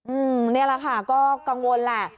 อืมนี่ล่ะค่ะก็กังวลแหละ